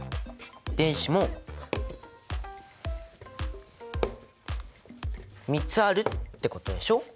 電子も３つあるってことでしょ？